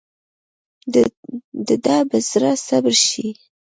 دده به زړه صبر شي.